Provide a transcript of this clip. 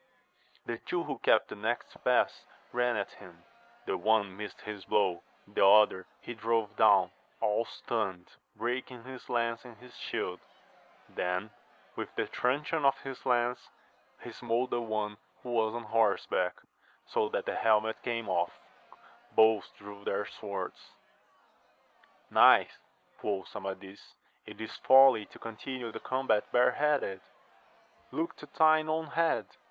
The two who kept the next pass ran at him ; the one missed his blow, the other he drove down, all stunned, break ing his lance in his shield ; then, with the truncheon of his lance, he smote the one who wa& oil \\ot^<^'^0&^ 80 that the helmet came off ; "bolYi Aierw >i5DLSsa «^at^a»* 156 AMADIS OF GAUL. Knight, quoth Amadis, it is folly to continue the com bat bare headed ! Look to thine own head